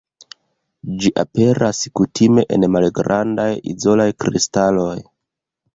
Ĝi aperas kutime en malgrandaj izolaj kristaloj.